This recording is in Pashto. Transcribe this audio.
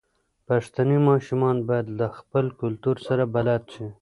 پښتني ماشومان بايد له خپل کلتور سره بلد شي.